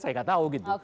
saya gak tahu gitu